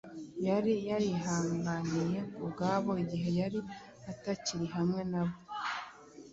yari yarihanganiye ku bwabo igihe yari atakiri hamwe na bo.